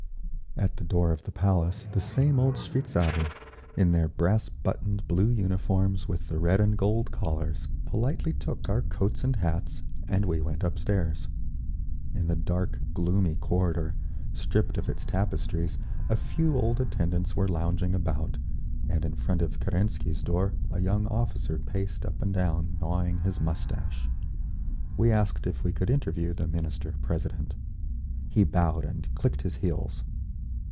At the door of the Palace the same old shveitzari, in their brass buttoned blue uniforms with the red and gold collars, politely took our coats and hats, and we went up stairs. In the dark, gloomy corridor, stripped of its tapestries, a few old attendants were lounging about, and in front of Kerensky's door a young officer paced up and down, gnawing his moustache. We asked if we could interview the Minister president. He bowed and clicked his heels.